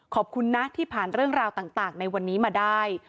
ขอบคุณนะที่ผ่านเรื่องราวต่างในวันนี้มาได้